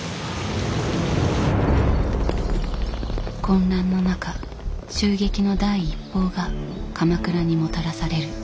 混乱の中襲撃の第一報が鎌倉にもたらされる。